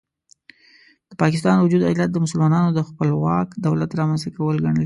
د پاکستان وجود علت د مسلمانانو د خپلواک دولت رامنځته کول ګڼل کېږي.